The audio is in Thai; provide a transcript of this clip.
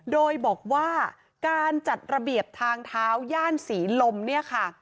โดยบอกว่าการจัดระเบียบทางเท้าย่านศรีลมเนี่ยค่ะ